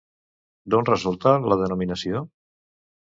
D'on resulta la denominació?